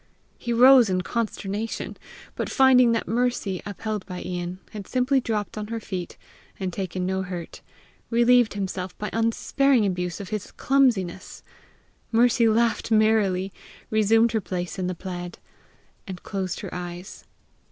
He rose in consternation; but finding that Mercy, upheld by Ian, had simply dropped on her feet, and taken no hurt, relieved himself by unsparing abuse of his clumsiness. Mercy laughed merrily, resumed her place in the plaid, and closed her eyes.